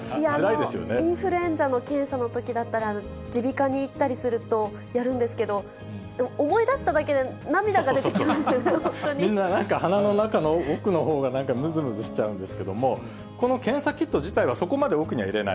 インフルエンザの検査のときだったら、耳鼻科に行ったりすると、やるんですけど、思い出しただけで、みんななんか鼻の中の奥のほうがなんかむずむずしちゃうんですけれども、この検査キット自体は、そこまで奥に入れない。